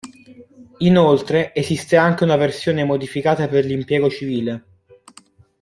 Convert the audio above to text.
Inoltre, esiste anche una versione modificata per l'impiego civile.